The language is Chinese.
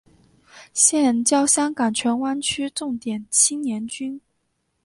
现教香港荃湾区重点青年军。